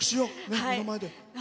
目の前で。